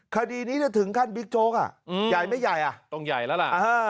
คดีนี้ถึงขั้นบิ๊กโจ๊กอ่ะใหญ่ไม่ใหญ่อ่ะต้องใหญ่แล้วล่ะ